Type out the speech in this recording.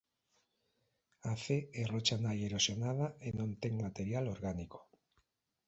A C é rocha nai erosionada e non ten material orgánico.